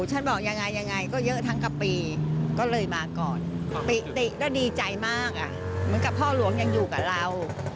ฉันบอกยังไงยังไงก็เยอะทั้งกับปีก็เลยมาก่อนปิติก็ดีใจมากอ่ะเหมือนกับพ่อหลวงยังอยู่กับเรา